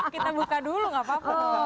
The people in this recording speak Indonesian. kita buka dulu nggak apa apa